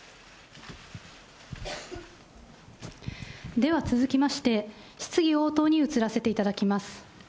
では続きまして、質疑応答に移らせていただきます。